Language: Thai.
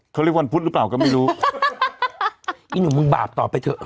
เขาเรียกวันพุธหรือเปล่าก็ไม่รู้อีหนุ่มมึงบาปต่อไปเถอะ